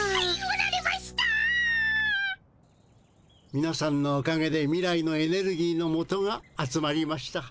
みなさんのおかげで未来のエネルギーのもとがあつまりました。